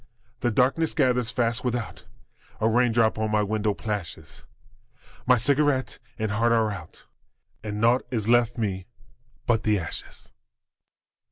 The darkness gathers fast without, A raindrop on my window plashes; My cigarette and heart are out, And naught is left me but the ashes.